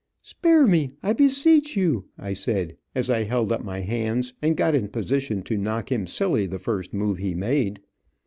"Spare me, I beseech you," I said, as I held up my hands, and got in position to knock him silly the first move he made.